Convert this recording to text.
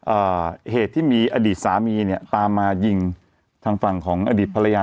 เอ่อเหตุที่มีอดีตสามีเนี่ยตามมายิงทางฝั่งของอดีตภรรยา